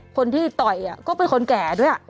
คนที่ต่อยก็เป็นคนแก่ด้วย